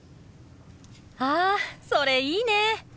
あそれいいね！